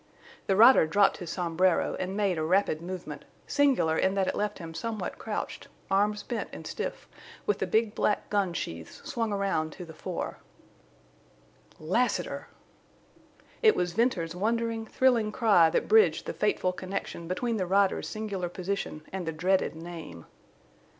The rider dropped his sombrero and made a rapid movement, singular in that it left him somewhat crouched, arms bent and stiff, with the big black gun sheaths swung round to the fore. "Lassiter!" It was Venters's wondering, thrilling cry that bridged the fateful connection between the rider's singular position and the dreaded name.